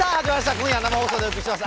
今夜は生放送でお送りします。